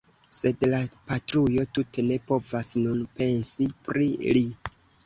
Sed la patrujo tute ne povas nun pensi pri li.